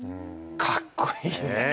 かっこいいね。